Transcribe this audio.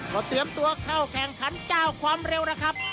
ก็เตรียมตัวเข้าแข่งขันเจ้าความเร็วแล้วครับ